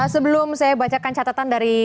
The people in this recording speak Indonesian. sebelum saya bacakan catatan dari